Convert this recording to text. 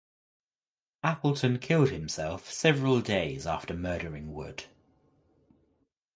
Appleton killed himself several days after murdering Wood.